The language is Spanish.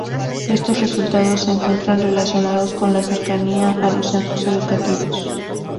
Estos resultados se encuentran relacionados con la cercanía a los centros educativos.